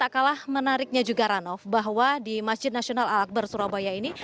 tak kalah menariknya juga ranof bahwa di masjid nasional al akbar surabaya ini